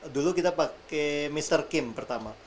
dulu kita pakai mr kim pertama